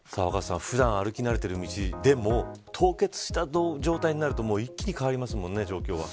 普段歩き慣れている道でも凍結した状態になると一気に変わりますものね。